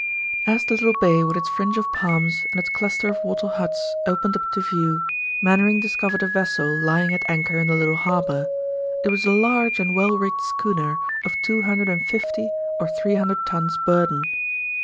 [Illustration: THE BUCCANEER WAS A PICTURESQUE FELLOW] As the little bay with its fringe of palms and its cluster of wattle huts opened up to view, Mainwaring discovered a vessel lying at anchor in the little harbor. It was a large and well rigged schooner of two hundred and fifty or three hundred tons burden.